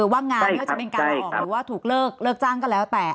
ว่างงานก็จะเป็นการออกหรือถูกเลิกหรือเลิกจ้างก็แล้วแต่